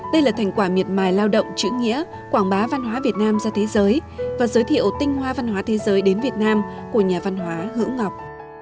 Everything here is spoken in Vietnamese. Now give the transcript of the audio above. đây là thành quả miệt mài lao động chữ nghĩa quảng bá văn hóa việt nam ra thế giới và giới thiệu tinh hoa văn hóa thế giới đến việt nam của nhà văn hóa hữu ngọc